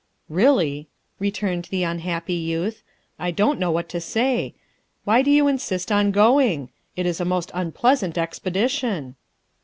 " Really," returned the unhappy youth, " I don't know what to say. Why do you insist on going? It is a most unpleasant expedition.